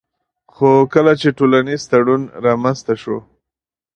خو کله چي ټولنيز تړون رامنځته سو